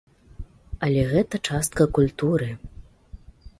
Але гэта частка культуры.